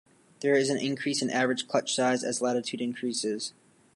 There is an increase in average clutch size as latitude increases.